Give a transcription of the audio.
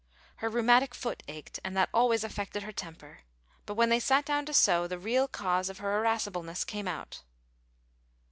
Her rheumatic foot ached, and that always affected her temper; but when they sat down to sew, the real cause of her irascibleness came out.